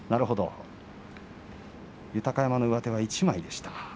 豊山の上手は一枚でした。